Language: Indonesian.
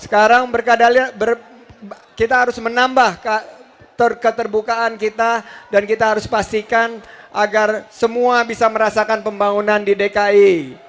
sekarang kita harus menambah keterbukaan kita dan kita harus pastikan agar semua bisa merasakan pembangunan di dki